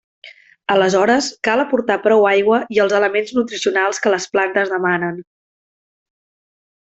Aleshores cal aportar prou aigua i els elements nutricionals que les plantes demanen.